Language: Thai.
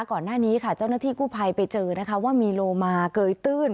ก่อนหน้านี้ค่ะเจ้าหน้าที่กู้ภัยไปเจอนะคะว่ามีโลมาเกยตื้น